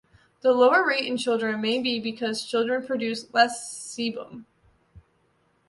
The lower rate in children may be because children produce less sebum.